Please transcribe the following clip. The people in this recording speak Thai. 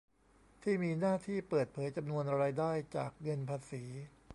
ที่มีหน้าที่เปิดเผยจำนวนรายได้จากเงินภาษี